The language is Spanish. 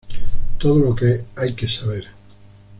Todo lo que hay que saber".